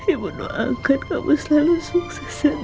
ibu doakan kamu selalu sukses